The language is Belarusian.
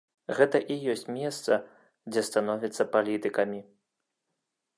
Гэта і ёсць месца, дзе становяцца палітыкамі.